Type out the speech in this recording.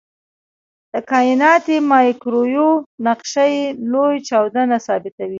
د کائناتي مایکروویو نقشه لوی چاودنه ثابتوي.